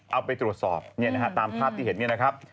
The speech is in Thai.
เอาไปตรวจสอบตามภาพที่เห็นนี้